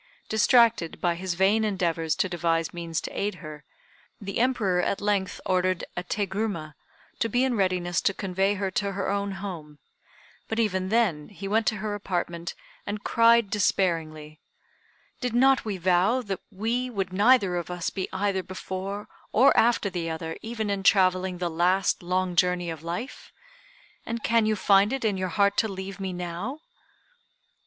Distracted by his vain endeavors to devise means to aid her, the Emperor at length ordered a Te gruma to be in readiness to convey her to her own home, but even then he went to her apartment and cried despairingly: "Did not we vow that we would neither of us be either before or after the other even in travelling the last long journey of life? And can you find it in your heart to leave me now?"